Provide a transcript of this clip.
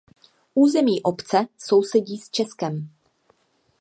Území obce sousedí s Českem.